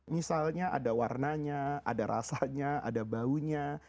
misalnya ada warnanya ada rasanya ada baunya